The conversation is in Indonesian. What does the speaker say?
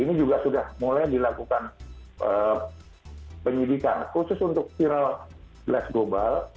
ini juga sudah mulai dilakukan penyidikan khusus untuk viral blast global